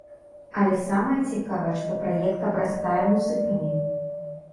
Але самае цікавае, што праект абрастае музыкамі.